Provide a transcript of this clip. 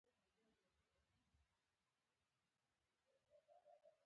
زه هره ورځ مېوه خورم.